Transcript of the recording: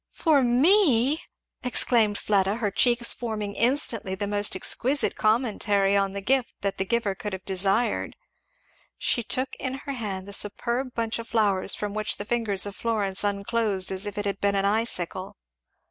"For me!" exclaimed Fleda, her cheeks forming instantly the most exquisite commentary on the gift that the giver could have desired. She took in her hand the superb bunch of flowers from which the fingers of Florence unclosed as if it had been an icicle.